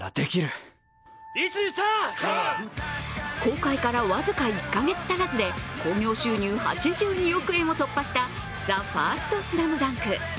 公開から僅か１か月足らずで興行収入８２億円を突破した「ＴＨＥＦＩＲＳＴＳＬＡＭＤＵＮＫ」。